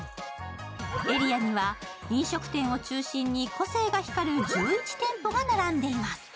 エリアには飲食店を中心に個性が光る１１店舗が並んでいます。